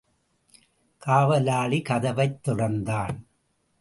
காவலாளி கதவைத் திறந்தான்.